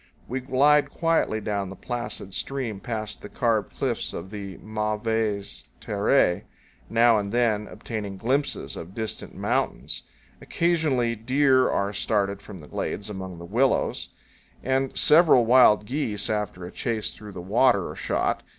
127 We glide quietly down the placid stream past the carved cliffs of the mauvaises terres, now and then obtaining glimpses of distant mountains. Occasionally, deer are started from the glades among the willows; and several wild geese, after a chase through the water, are shot.